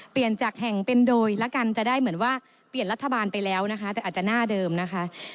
เปลี่ยนจากแห่งเป็นโดยละกันจะได้เหมือนว่าเปลี่ยนรัฐบาลไปแล้วนะคะแต่อาจจะหน้าเดิมนะคะ